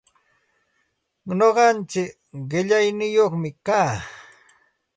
Nuqaichik qillaniyuqmi kaa.